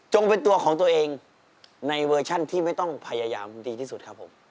เป็นตัวของตัวเองในเวอร์ชันที่ไม่ต้องพยายามดีที่สุดครับผม